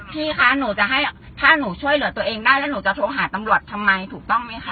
พี่คะหนูจะให้ถ้าหนูช่วยเหลือตัวเองได้แล้วหนูจะโทรหาตำรวจทำไมถูกต้องไหมคะ